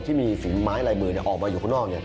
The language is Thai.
ที่มีฝีไม้ลายมือออกมาอยู่ข้างนอก